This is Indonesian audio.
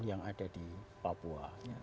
yang ada di papua